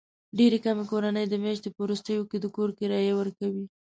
ډېرې کمې کورنۍ د میاشتې په وروستیو کې د کور کرایه ورکوي.